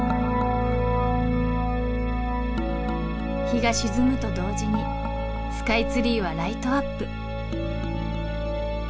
日が沈むと同時にスカイツリーはライトアップ。